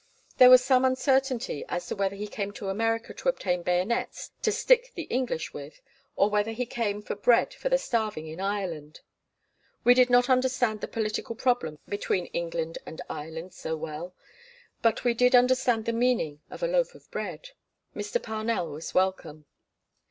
There was some uncertainty as to whether he came to America to obtain bayonets to stick the English with, or whether he came for bread for the starving in Ireland. We did not understand the political problem between England and Ireland so well but we did understand the meaning of a loaf of bread. Mr. Parnell was welcome.